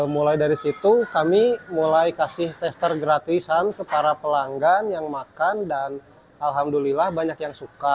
mulai dari situ kami mulai kasih tester gratisan ke para pelanggan yang makan dan alhamdulillah banyak yang suka